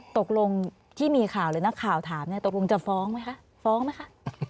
ตกลงที่มีข่าวหรือนักข่าวถามเนี่ยตกลงจะฟ้องไหมคะฟ้องไหมคะ